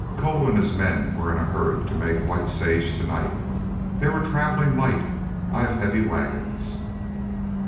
"Cole and his men were in a hurry to make White Sage to night. They were travelling light; I've heavy wagons."